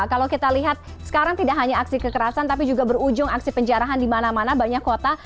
kalau kita lihat sekarang tidak hanya aksi kekerasan tapi juga berujung aksi penjarahan di mana mana banyak kota